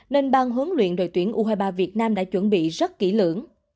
nên bang huấn luyện đội tuyển u hai mươi ba việt nam đã chuẩn bị rất kỹ lưỡng